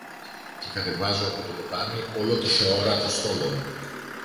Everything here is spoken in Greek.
και κατεβάζω από το ποτάμι όλο το θεόρατο στόλο μου